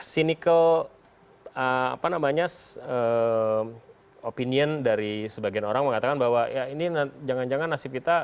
sinical opinion dari sebagian orang mengatakan bahwa ya ini jangan jangan nasib kita sama seperti itu